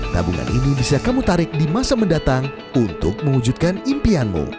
tabungan ini bisa kamu tarik di masa mendatang untuk mewujudkan impianmu